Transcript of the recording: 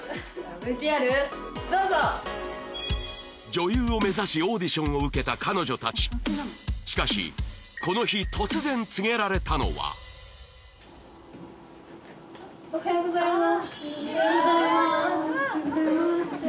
ＶＴＲどうぞ女優を目指しオーディションを受けた彼女たちしかしこの日突然告げられたのはおはようございます